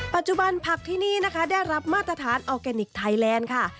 ปัจจุบันผักที่นี่นะคะได้รับมาตรฐานออร์แกนิคไทยแลนด์ค่ะ